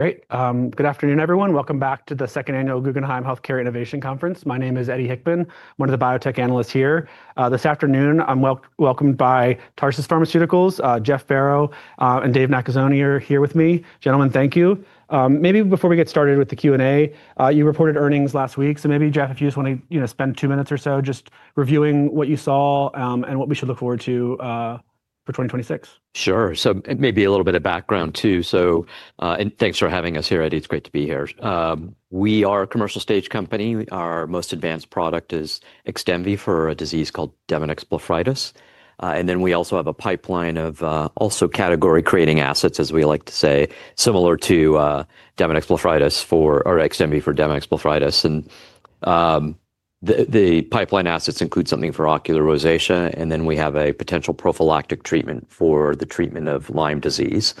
Great. Good afternoon, everyone. Welcome back to the second annual Guggenheim Healthcare Innovation Conference. My name is Eddie Hickman, one of the Biotech Analysts here. This afternoon, I'm welcomed by Tarsus Pharmaceuticals, Jeff Farrow, and Dave Nakasone are here with me. Gentlemen, thank you. Maybe before we get started with the Q&A, you reported earnings last week. So maybe, Jeff, if you just want to spend two minutes or so just reviewing what you saw and what we should look forward to for 2026. Sure. So maybe a little bit of background, too. And thanks for having us here, Eddie. It's great to be here. We are a commercial stage company. Our most advanced product is XDEMVY for a disease called demodex blepharitis. And then we also have a pipeline of also category-creating assets, as we like to say, similar to demodex blepharitis or XDEMVY for demodex blepharitis. And the pipeline assets include something for ocular rosacea. And then we have a potential prophylactic treatment for the treatment of lyme disease.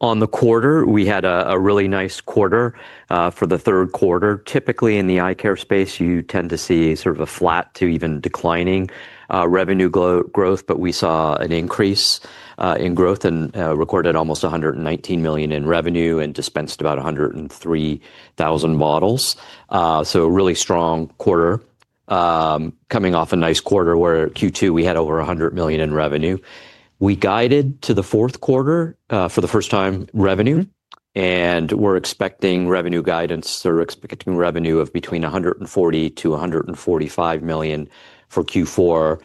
On the quarter, we had a really nice quarter for the 3rd quarter. Typically, in the eye care space, you tend to see sort of a flat to even declining revenue growth. But we saw an increase in growth and recorded almost $119 million in revenue and dispensed about 103,000 bottles. A really strong quarter, coming off a nice quarter where Q2 we had over $100 million in revenue. We guided to the 4th quarter for the first time revenue. We're expecting revenue guidance or expecting revenue of between $140 million-$145 million for Q4,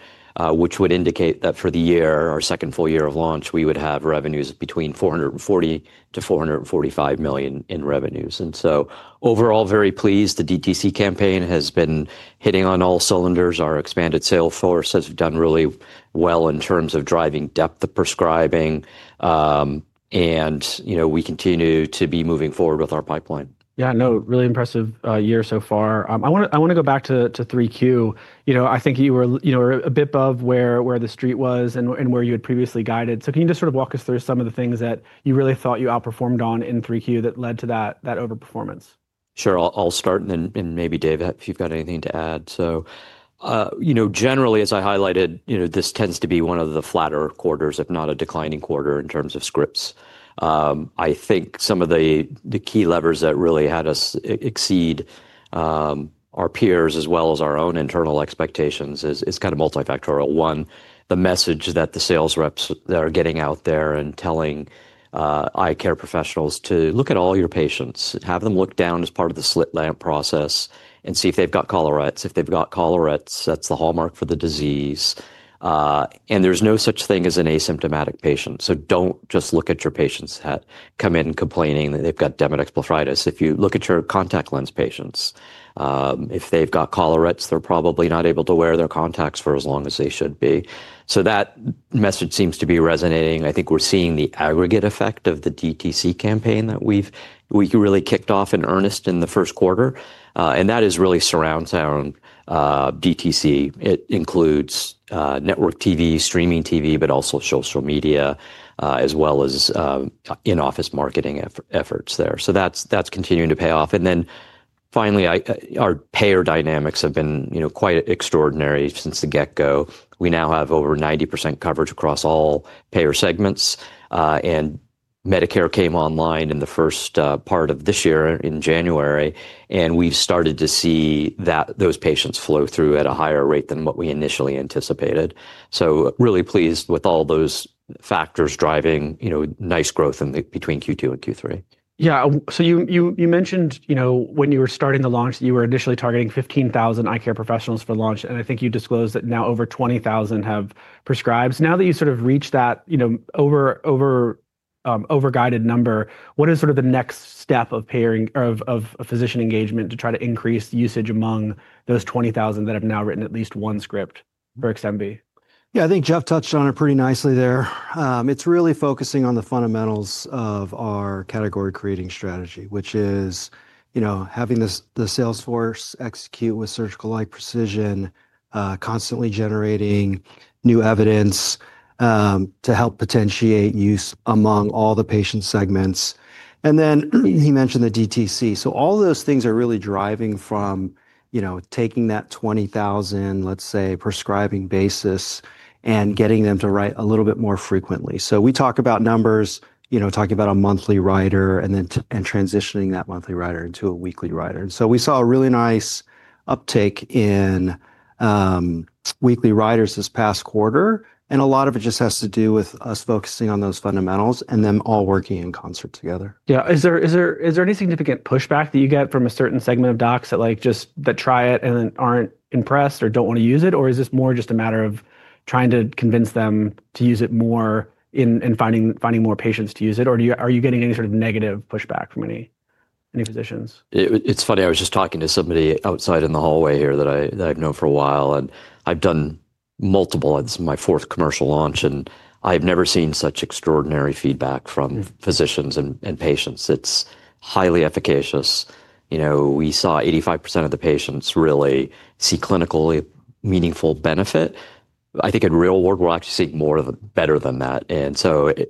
which would indicate that for the year, our second full year of launch, we would have revenues between $440 million-$445 million in revenues. Overall, very pleased. The DTC campaign has been hitting on all cylinders. Our expanded sales force has done really well in terms of driving depth of prescribing. We continue to be moving forward with our pipeline. Yeah, no, really impressive year so far. I want to go back to 3Q. I think you were a bit above where the street was and where you had previously guided. Can you just sort of walk us through some of the things that you really thought you outperformed on in 3Q that led to that overperformance? Sure. I'll start. And then maybe, David, if you've got anything to add. Generally, as I highlighted, this tends to be one of the flatter quarters, if not a declining quarter in terms of scripts. I think some of the key levers that really had us exceed our peers as well as our own internal expectations is kind of multifactorial. One, the message that the sales reps that are getting out there and telling eye care professionals to look at all your patients, have them look down as part of the slit lamp process, and see if they've got collarettes. If they've got collarettes, that's the hallmark for the disease. There's no such thing as an asymptomatic patient. Don't just look at your patients that come in complaining that they've got demodex blepharitis. If you look at your contact lens patients, if they've got collarettes, they're probably not able to wear their contacts for as long as they should be. That message seems to be resonating. I think we're seeing the aggregate effect of the DTC campaign that we really kicked off in earnest in the first quarter. That is really surround sound DTC. It includes network TV, streaming TV, but also social media, as well as in-office marketing efforts there. That is continuing to pay off. Finally, our payer dynamics have been quite extraordinary since the get-go. We now have over 90% coverage across all payer segments. Medicare came online in the first part of this year in January. We've started to see those patients flow through at a higher rate than what we initially anticipated. Really pleased with all those factors driving nice growth between Q2 and Q3. Yeah. So you mentioned when you were starting the launch that you were initially targeting 15,000 eye care professionals for launch. And I think you disclosed that now over 20,000 have prescribed. Now that you sort of reached that over-guided number, what is sort of the next step of paying or of physician engagement to try to increase usage among those 20,000 that have now written at least one script for XDEMVY? Yeah, I think Jeff touched on it pretty nicely there. It's really focusing on the fundamentals of our category-creating strategy, which is having the sales force execute with surgical-like precision, constantly generating new evidence to help potentiate use among all the patient segments. He mentioned the DTC. All those things are really driving from taking that 20,000, let's say, prescribing basis and getting them to write a little bit more frequently. We talk about numbers, talking about a monthly writer and then transitioning that monthly writer into a weekly writer. We saw a really nice uptake in weekly writers this past quarter. A lot of it just has to do with us focusing on those fundamentals and them all working in concert together. Yeah. Is there any significant pushback that you get from a certain segment of docs that try it and then aren't impressed or don't want to use it? Is this more just a matter of trying to convince them to use it more and finding more patients to use it? Are you getting any sort of negative pushback from any physicians? It's funny. I was just talking to somebody outside in the hallway here that I've known for a while. I've done multiple. This is my 4th commercial launch. I've never seen such extraordinary feedback from physicians and patients. It's highly efficacious. We saw 85% of the patients really see clinically meaningful benefit. I think in real world, we'll actually see more better than that.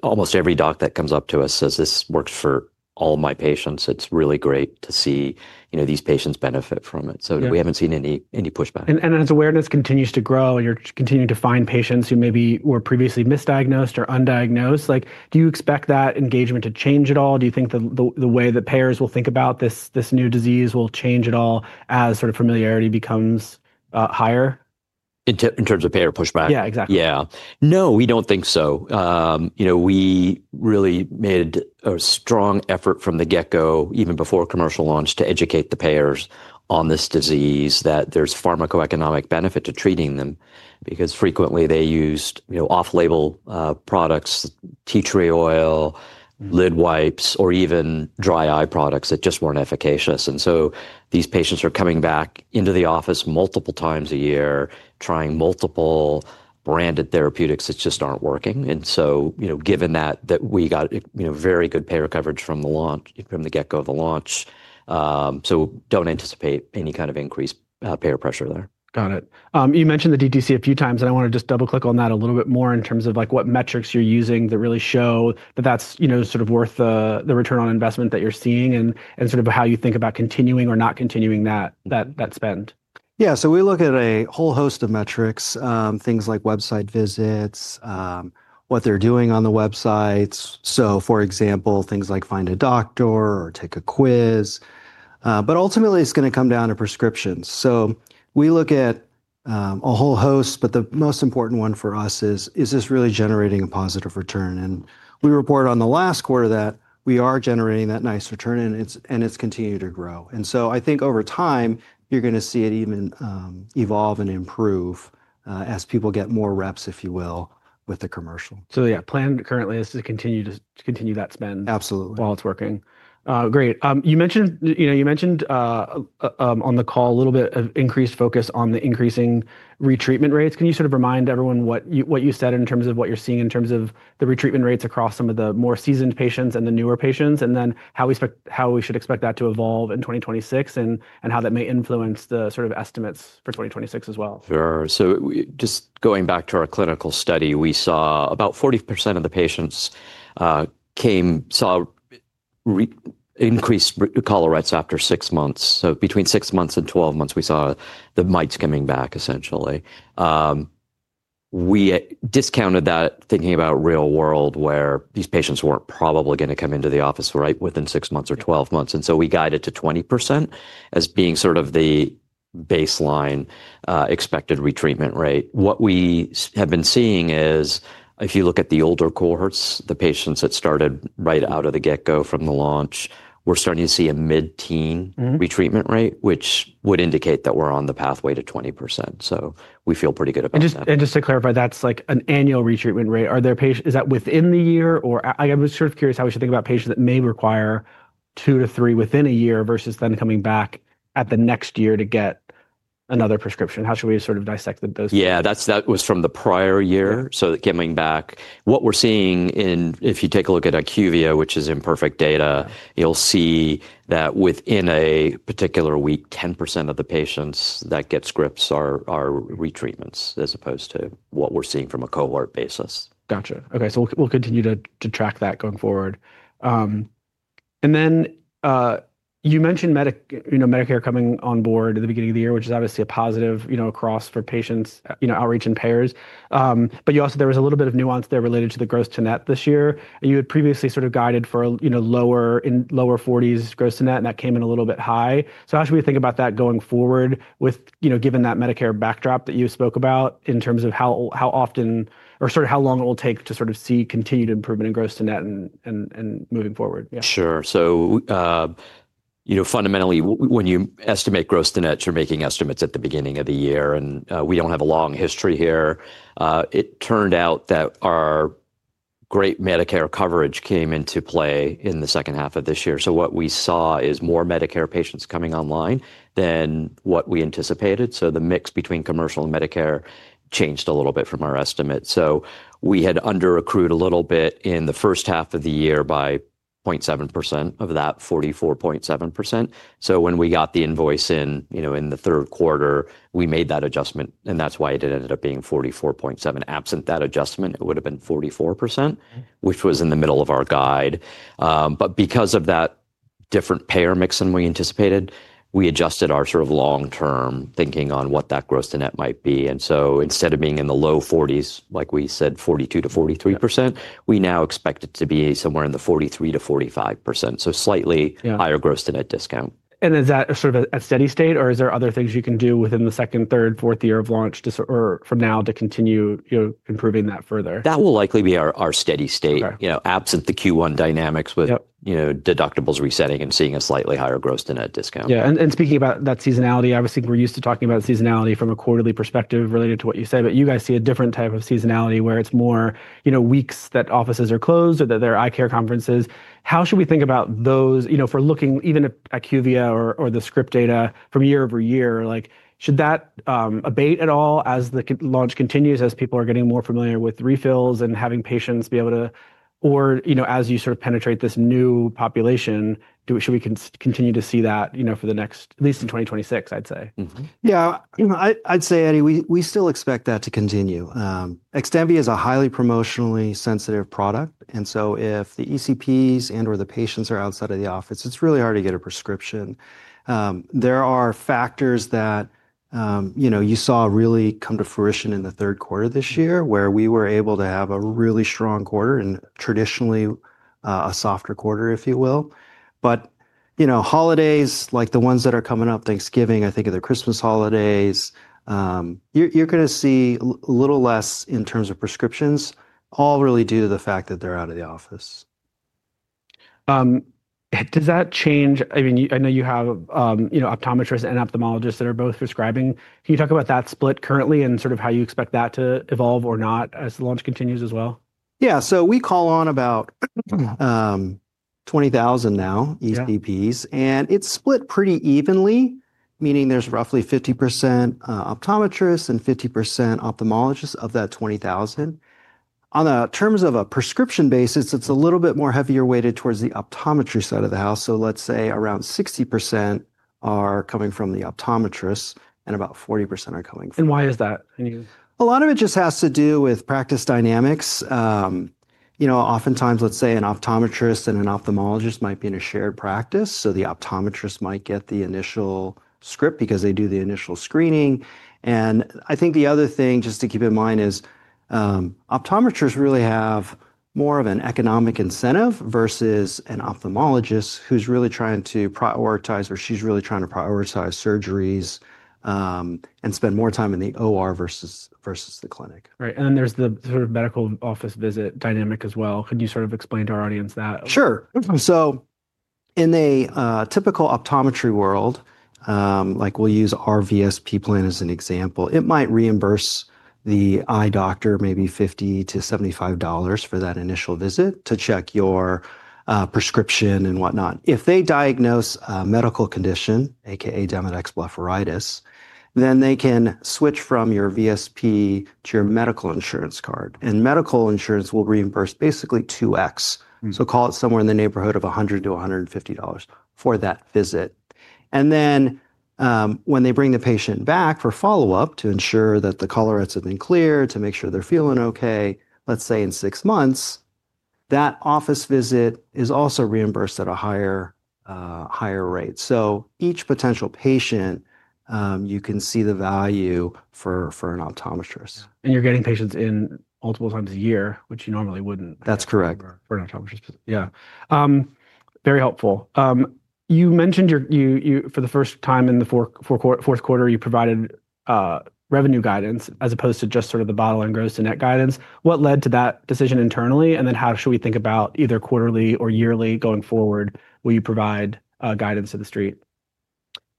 Almost every doc that comes up to us says, "This works for all my patients. It's really great to see these patients benefit from it." We haven't seen any pushback. As awareness continues to grow and you're continuing to find patients who maybe were previously misdiagnosed or undiagnosed, do you expect that engagement to change at all? Do you think the way that payers will think about this new disease will change at all as sort of familiarity becomes higher? In terms of payer pushback? Yeah, exactly. Yeah. No, we do not think so. We really made a strong effort from the get-go, even before commercial launch, to educate the payers on this disease, that there is pharmacoeconomic benefit to treating them. Because frequently, they used off-label products, tea tree oil, lid wipes, or even dry eye products that just were not efficacious. These patients are coming back into the office multiple times a year trying multiple branded therapeutics that just are not working. Given that, we got very good payer coverage from the launch, from the get-go of the launch. Do not anticipate any kind of increased payer pressure there. Got it. You mentioned the DTC a few times. I want to just double-click on that a little bit more in terms of what metrics you're using that really show that that's sort of worth the return on investment that you're seeing and sort of how you think about continuing or not continuing that spend. Yeah. We look at a whole host of metrics, things like website visits, what they're doing on the websites. For example, things like find a doctor or take a quiz. Ultimately, it's going to come down to prescriptions. We look at a whole host, but the most important one for us is, is this really generating a positive return? We reported on the last quarter that we are generating that nice return, and it's continued to grow. I think over time, you're going to see it even evolve and improve as people get more reps, if you will, with the commercial. Yeah, plan currently is to continue that spend. Absolutely. While it's working. Great. You mentioned on the call a little bit of increased focus on the increasing retreatment rates. Can you sort of remind everyone what you said in terms of what you're seeing in terms of the retreatment rates across some of the more seasoned patients and the newer patients? And then how we should expect that to evolve in 2026 and how that may influence the sort of estimates for 2026 as well. Sure. Just going back to our clinical study, we saw about 40% of the patients saw increased collarettes after six months. Between six months and 12 months, we saw the mites coming back, essentially. We discounted that thinking about real world where these patients were not probably going to come into the office right within six months or 12 months. We guided to 20% as being sort of the baseline expected retreatment rate. What we have been seeing is, if you look at the older cohorts, the patients that started right out of the get-go from the launch, we are starting to see a mid-teen retreatment rate, which would indicate that we are on the pathway to 20%. We feel pretty good about that. Just to clarify, that's like an annual retreatment rate. Is that within the year? I was sort of curious how we should think about patients that may require two to three within a year versus then coming back at the next year to get another prescription. How should we sort of dissect those? Yeah. That was from the prior year. Coming back, what we're seeing in, if you take a look at IQVIA, which is imperfect data, you'll see that within a particular week, 10% of the patients that get scripts are retreatments as opposed to what we're seeing from a cohort basis. Gotcha. OK, so we'll continue to track that going forward. You mentioned Medicare coming on board at the beginning of the year, which is obviously a positive cross for patients' outreach and payers. You also, there was a little bit of nuance there related to the gross-to-net this year. You had previously sort of guided for lower 40s gross-to-net, and that came in a little bit high. How should we think about that going forward, given that Medicare backdrop that you spoke about, in terms of how often or sort of how long it will take to sort of see continued improvement in gross-to-net and moving forward? Sure. So fundamentally, when you estimate gross-to-net, you're making estimates at the beginning of the year. And we do not have a long history here. It turned out that our great Medicare coverage came into play in the second half of this year. What we saw is more Medicare patients coming online than what we anticipated. The mix between commercial and Medicare changed a little bit from our estimate. We had under-accrued a little bit in the first half of the year by 0.7% of that 44.7%. When we got the invoice in the third quarter, we made that adjustment. That is why it ended up being 44.7%. Absent that adjustment, it would have been 44%, which was in the middle of our guide. Because of that different payer mix than we anticipated, we adjusted our sort of long-term thinking on what that gross-to-net might be. Instead of being in the low 40s, like we said, 42%-43%, we now expect it to be somewhere in the 43%-45%, so slightly higher gross-to-net discount. Is that sort of a steady state? Or are there other things you can do within the 2nd, 3rd, 4th year of launch or from now to continue improving that further? That will likely be our steady state. Absent the Q1 dynamics with deductibles resetting and seeing a slightly higher gross-to-net discount. Yeah. And speaking about that seasonality, obviously, we're used to talking about seasonality from a quarterly perspective related to what you said. You guys see a different type of seasonality where it's more weeks that offices are closed or that there are eye care conferences. How should we think about those for looking even at IQVIA or the script data from year over year? Should that abate at all as the launch continues, as people are getting more familiar with refills and having patients be able to, or as you sort of penetrate this new population, should we continue to see that for the next, at least in 2026, I'd say? Yeah. I'd say, Eddie, we still expect that to continue. XDEMVY is a highly promotionally sensitive product. If the ECPs and/or the patients are outside of the office, it's really hard to get a prescription. There are factors that you saw really come to fruition in the 3rd quarter this year where we were able to have a really strong quarter and traditionally a softer quarter, if you will. Holidays like the ones that are coming up, Thanksgiving, I think of the Christmas holidays, you're going to see a little less in terms of prescriptions, all really due to the fact that they're out of the office. Does that change? I mean, I know you have optometrists and ophthalmologists that are both prescribing. Can you talk about that split currently and sort of how you expect that to evolve or not as the launch continues as well? Yeah. So we call on about 20,000 now, ECPs. And it's split pretty evenly, meaning there's roughly 50% optometrists and 50% ophthalmologists of that 20,000. On the terms of a prescription basis, it's a little bit more heavier weighted towards the optometry side of the house. Let's say around 60% are coming from the optometrists and about 40% are coming from. Why is that? A lot of it just has to do with practice dynamics. Oftentimes, let's say an optometrist and an ophthalmologist might be in a shared practice. The optometrist might get the initial script because they do the initial screening. I think the other thing just to keep in mind is optometrists really have more of an economic incentive versus an ophthalmologist who's really trying to prioritize or she's really trying to prioritize surgeries and spend more time in the OR versus the clinic. Right. There is the sort of medical office visit dynamic as well. Could you sort of explain to our audience that? Sure. In a typical optometry world, like we'll use our VSP plan as an example, it might reimburse the eye doctor maybe $50-$75 for that initial visit to check your prescription and whatnot. If they diagnose a medical condition, a.k.a. demodex blepharitis, then they can switch from your VSP to your medical insurance card. Medical insurance will reimburse basically 2x, so call it somewhere in the neighborhood of $100-$150 for that visit. When they bring the patient back for follow-up to ensure that the collarettes have been cleared, to make sure they're feeling OK, let's say in six months, that office visit is also reimbursed at a higher rate. Each potential patient, you can see the value for an optometrist. You're getting patients in multiple times a year, which you normally wouldn't. That's correct. For an optometrist. Yeah. Very helpful. You mentioned for the first time in the 4th quarter, you provided revenue guidance as opposed to just sort of the bottle and gross-to-net guidance. What led to that decision internally? And then how should we think about either quarterly or yearly going forward? Will you provide guidance to the street?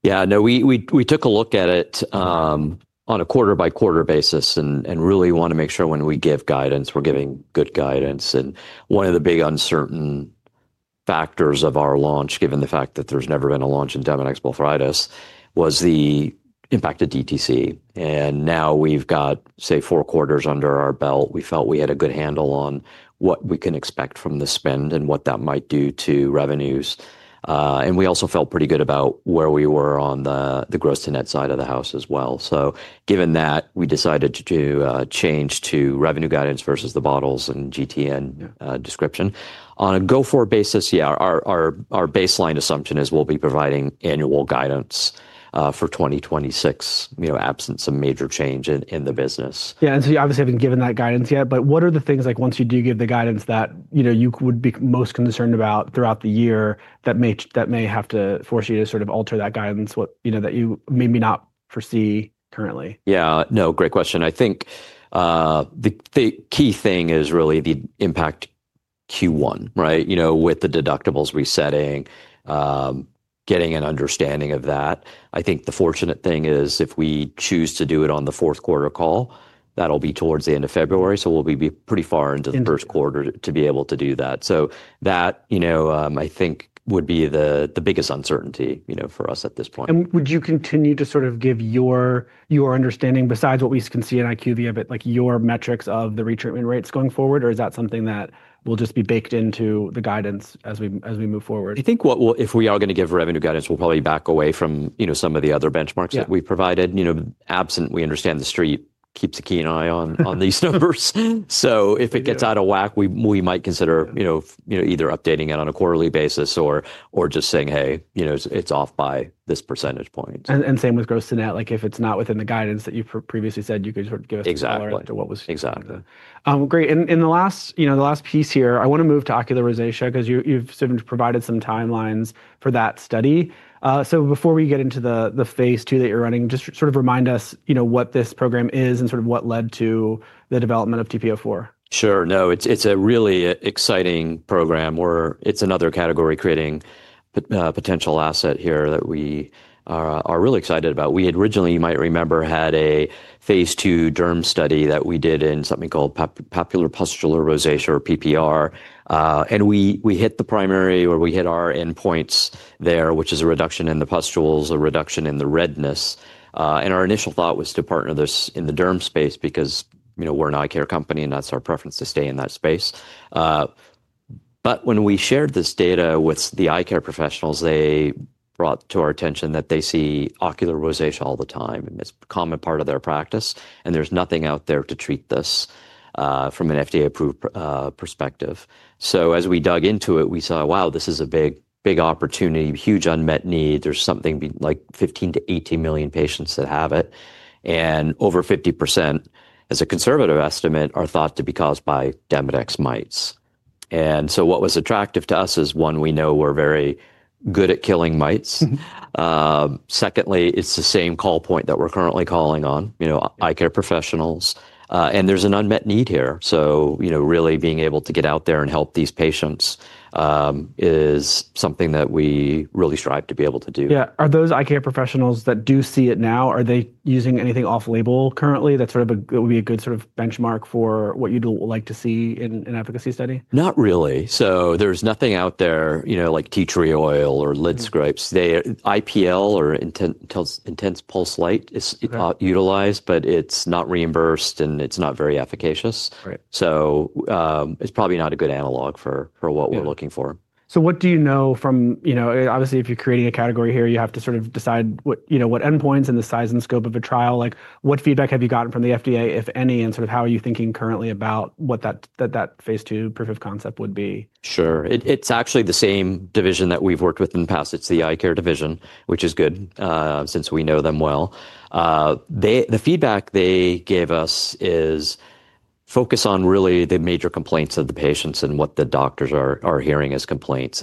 Yeah. No, we took a look at it on a quarter-by-quarter basis and really want to make sure when we give guidance, we're giving good guidance. One of the big uncertain factors of our launch, given the fact that there's never been a launch in demodex blepharitis, was the impact of DTC. Now we've got, say, four quarters under our belt. We felt we had a good handle on what we can expect from the spend and what that might do to revenues. We also felt pretty good about where we were on the gross-to-net side of the house as well. Given that, we decided to change to revenue guidance versus the bottles and GTN description. On a go-forward basis, yeah, our baseline assumption is we'll be providing annual guidance for 2026 absence of major change in the business. Yeah. You obviously haven't given that guidance yet. What are the things, like once you do give the guidance, that you would be most concerned about throughout the year that may have to force you to sort of alter that guidance that you maybe not foresee currently? Yeah. No, great question. I think the key thing is really the impact Q1, right, with the deductibles resetting, getting an understanding of that. I think the fortunate thing is if we choose to do it on the fourth quarter call, that'll be towards the end of February. So we'll be pretty far into the first quarter to be able to do that. That, I think, would be the biggest uncertainty for us at this point. Would you continue to sort of give your understanding besides what we can see in IQVIA but like your metrics of the retreatment rates going forward? Or is that something that will just be baked into the guidance as we move forward? I think if we are going to give revenue guidance, we'll probably back away from some of the other benchmarks that we've provided. Absent, we understand the street keeps a keen eye on these numbers. If it gets out of whack, we might consider either updating it on a quarterly basis or just saying, hey, it's off by this percentage point. Same with gross-to-net. Like if it's not within the guidance that you previously said, you could sort of give us a collarette or what was. Exactly. Great. The last piece here, I want to move to ocular rosacea because you've sort of provided some timelines for that study. Before we get into the phase II that you're running, just sort of remind us what this program is and sort of what led to the development of TP-04. Sure. No, it's a really exciting program where it's another category creating potential asset here that we are really excited about. We had originally, you might remember, had a phase II derm study that we did in something called papular pustular rosacea or PPR. We hit the primary or we hit our endpoints there, which is a reduction in the pustules, a reduction in the redness. Our initial thought was to partner this in the derm space because we're an eye care company and that's our preference to stay in that space. When we shared this data with the eye care professionals, they brought to our attention that they see ocular rosacea all the time. It's a common part of their practice. There's nothing out there to treat this from an FDA-approved perspective. As we dug into it, we saw, wow, this is a big opportunity, huge unmet need. There is something like 15 million-18 million patients that have it. Over 50%, as a conservative estimate, are thought to be caused by demodex mites. What was attractive to us is, one, we know we are very good at killing mites. Secondly, it is the same call point that we are currently calling on eye care professionals. There is an unmet need here. Really being able to get out there and help these patients is something that we really strive to be able to do. Yeah. Are those eye care professionals that do see it now, are they using anything off-label currently that sort of would be a good sort of benchmark for what you'd like to see in an efficacy study? Not really. So there's nothing out there like tea tree oil or lid scrapes. IPL or intense pulse light is utilized, but it's not reimbursed and it's not very efficacious. So it's probably not a good analog for what we're looking for. What do you know from obviously, if you're creating a category here, you have to sort of decide what endpoints and the size and scope of a trial. What feedback have you gotten from the FDA, if any, and sort of how are you thinking currently about what that phase II proof of concept would be? Sure. It's actually the same division that we've worked with in the past. It's the eye care division, which is good since we know them well. The feedback they gave us is focus on really the major complaints of the patients and what the doctors are hearing as complaints.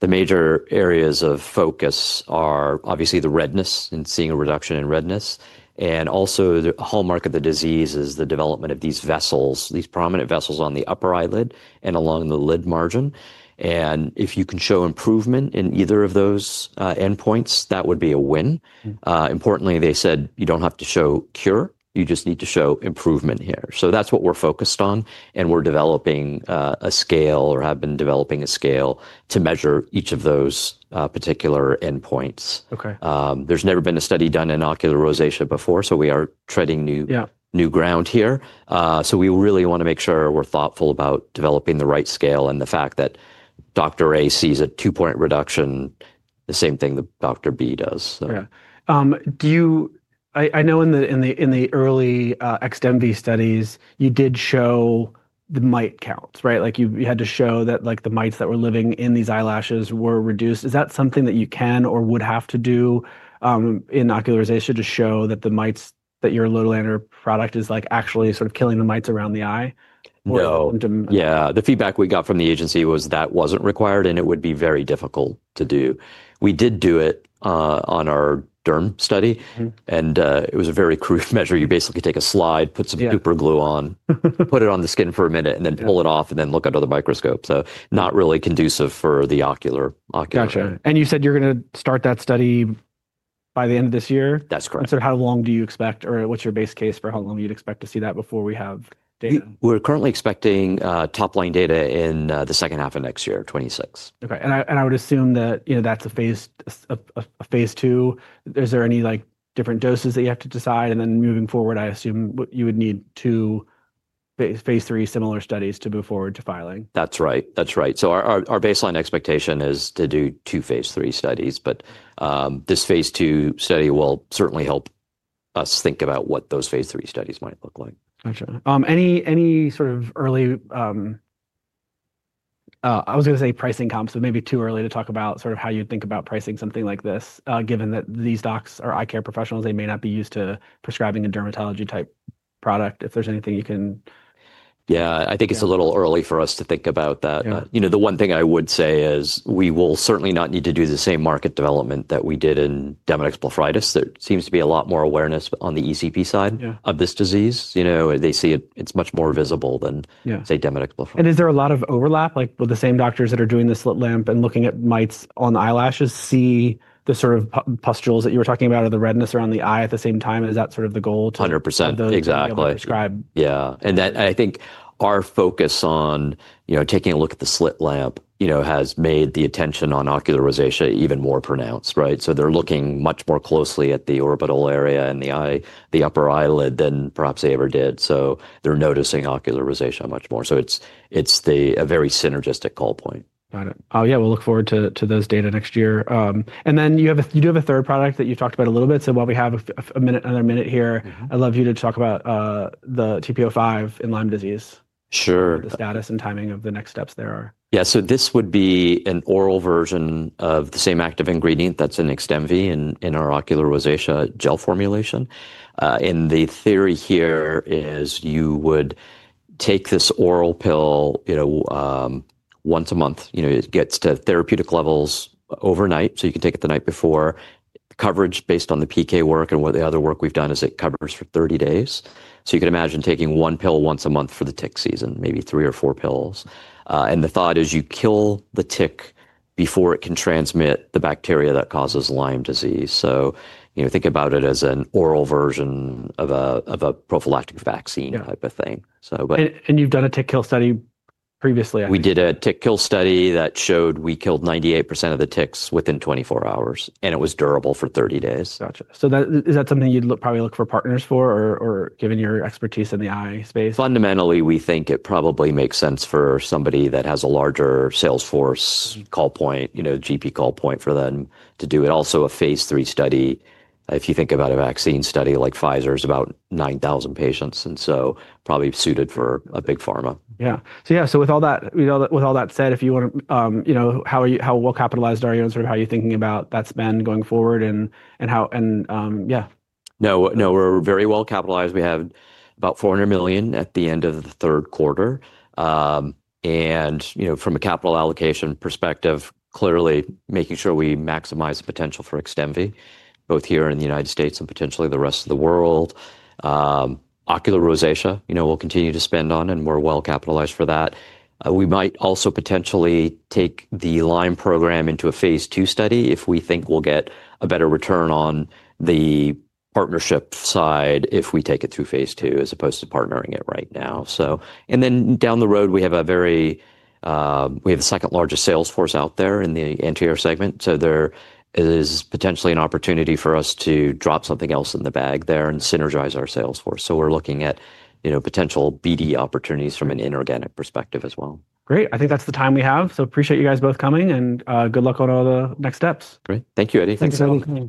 The major areas of focus are obviously the redness and seeing a reduction in redness. Also, the hallmark of the disease is the development of these vessels, these prominent vessels on the upper eyelid and along the lid margin. If you can show improvement in either of those endpoints, that would be a win. Importantly, they said you don't have to show cure. You just need to show improvement here. That's what we're focused on. We're developing a scale or have been developing a scale to measure each of those particular endpoints. There's never been a study done in ocular rosacea before, so we are treading new ground here. We really want to make sure we're thoughtful about developing the right scale and the fact that Dr. A sees a two-point reduction, the same thing that Dr. B does. Yeah. I know in the early XDEMVY studies, you did show the mite counts, right? You had to show that the mites that were living in these eyelashes were reduced. Is that something that you can or would have to do in ocular rosacea to show that the mites that your lotilaner product is actually sort of killing the mites around the eye? No. Yeah. The feedback we got from the agency was that wasn't required and it would be very difficult to do. We did do it on our derm study. And it was a very crude measure. You basically take a slide, put some super glue on, put it on the skin for a minute, and then pull it off and then look under the microscope. So not really conducive for the ocular. Gotcha. You said you're going to start that study by the end of this year? That's correct. How long do you expect or what's your base case for how long you'd expect to see that before we have data? We're currently expecting top-line data in the second half of next year, 2026. Okay. I would assume that that's a phase II. Is there any different doses that you have to decide? I assume you would need two phase III similar studies to move forward to filing. That's right. Our baseline expectation is to do two phase III studies. This phase II study will certainly help us think about what those phase three studies might look like. Gotcha. Any sort of early, I was going to say, pricing comps, but maybe too early to talk about sort of how you'd think about pricing something like this, given that these docs are eye care professionals. They may not be used to prescribing a dermatology-type product. If there's anything you can. Yeah. I think it's a little early for us to think about that. The one thing I would say is we will certainly not need to do the same market development that we did in demodex blepharitis. There seems to be a lot more awareness on the ECP side of this disease. They see it's much more visible than, say, demodex blepharitis. Is there a lot of overlap? Will the same doctors that are doing the slit lamp and looking at mites on the eyelashes see the sort of pustules that you were talking about or the redness around the eye at the same time? Is that sort of the goal to prescribe? 100%. Exactly. Yeah. I think our focus on taking a look at the slit lamp has made the attention on ocular rosacea even more pronounced, right? They are looking much more closely at the orbital area and the upper eyelid than perhaps they ever did. They are noticing ocular rosacea much more. It is a very synergistic call point. Got it. Oh, yeah. We'll look forward to those data next year. You do have a third product that you talked about a little bit. While we have another minute here, I'd love you to talk about the TP-05 in lyme disease. Sure. The status and timing of the next steps there are. Yeah. This would be an oral version of the same active ingredient that's in XDEMVY in our ocular rosacea gel formulation. The theory here is you would take this oral pill once a month. It gets to therapeutic levels overnight, so you can take it the night before. Coverage based on the PK work and what the other work we've done is it covers for 30 days. You can imagine taking one pill once a month for the tick season, maybe three or four pills. The thought is you kill the tick before it can transmit the bacteria that causes lyme disease. Think about it as an oral version of a prophylactic vaccine type of thing. You've done a tick kill study previously? We did a tick kill study that showed we killed 98% of the ticks within 24 hours. It was durable for 30 days. Gotcha. So is that something you'd probably look for partners for or given your expertise in the eye space? Fundamentally, we think it probably makes sense for somebody that has a larger salesforce call point, GP call point for them to do it. Also, a phase three study, if you think about a vaccine study like Pfizer, is about 9,000 patients. It is probably suited for a big pharma. Yeah. So with all that said, if you want to, how well capitalized are you and sort of how are you thinking about that spend going forward and how, yeah? No, no. We're very well capitalized. We have about $400 million at the end of the 3rd quarter. From a capital allocation perspective, clearly making sure we maximize the potential for XDEMVY, both here in the U.S. and potentially the rest of the world. Ocular rosacea, we'll continue to spend on and we're well capitalized for that. We might also potentially take the Lyme program into a phase two study if we think we'll get a better return on the partnership side if we take it through phase two as opposed to partnering it right now. Down the road, we have the second largest salesforce out there in the anterior segment. There is potentially an opportunity for us to drop something else in the bag there and synergize our salesforce. We're looking at potential BD opportunities from an inorganic perspective as well. Great. I think that's the time we have. Appreciate you guys both coming. Good luck on all the next steps. Great. Thank you, Eddie. Thanks for having me.